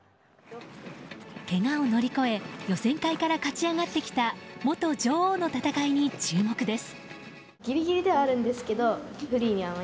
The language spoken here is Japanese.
けがを乗り越え予選会から勝ち上がってきた元女王の戦いに注目です。